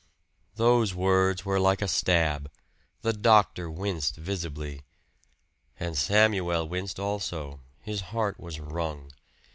Those words were like a stab. The doctor winced visibly. And Samuel winced also his heart was wrung.